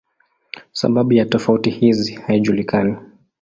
Sababu ya tofauti hizi haijulikani.